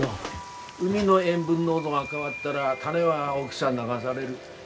海の塩分濃度が変わったらタネは沖さ流される。